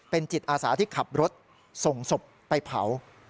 เป็นจิตอาสาที่ขับรถส่งศพไปเผา